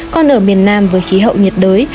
còn ở miền nam với khí hậu nhiệt đới